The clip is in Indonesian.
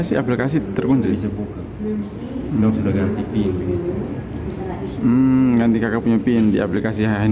saya ingin mencari rekening yang ada itu